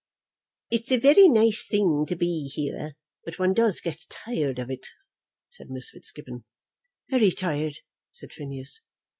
"It's a very nice thing to be here, but one does get tired of it," said Miss Fitzgibbon. "Very tired," said Phineas.